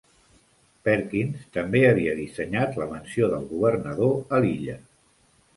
Perkins també havia dissenyat la mansió del governador a l'illa.